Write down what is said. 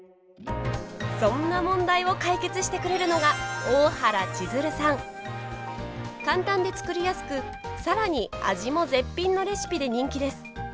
そんな問題を解決してくれるのが簡単で作りやすく更に味も絶品のレシピで人気です。